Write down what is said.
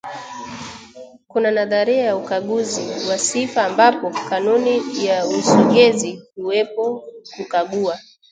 Kuna nadharia ya ukaguzi wa sifa ambapo kanuni ya usogezi huwepo kukagua